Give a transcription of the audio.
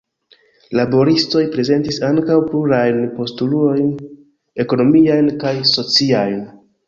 Laboristoj prezentis ankaŭ plurajn postulojn ekonomiajn kaj sociajn.